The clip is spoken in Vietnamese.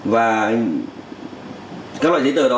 và các loại giấy tờ đó